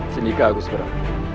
senikah aku seberang